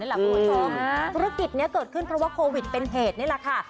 เวลาธุรกิจเกิดขึ้นเพราะว่าโควิดเป็นเหตุนี่แหละค่ะ